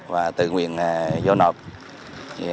và tự nguyện vô tình